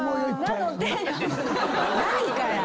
ないから！